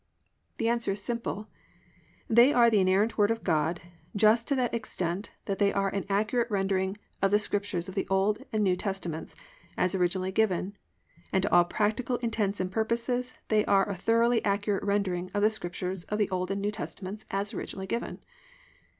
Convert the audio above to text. The answer is simple; they are the inerrant Word of God just to that extent that they are an accurate rendering of the Scriptures of the Old and New Testaments as originally given, and to all practical intents and purposes they are a thoroughly accurate rendering of the Scriptures of the Old and New Testaments as originally given.